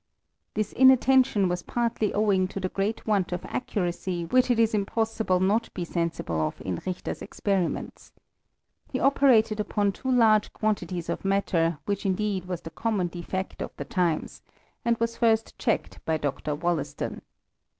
This inattention was partly owing to the great want of accuracy which it is impossible not be sensible of in Richter's experiments. He operated upon too large quantities of matter, which indeed was the common defect of the times, and was first checked by Dr. WoUaston.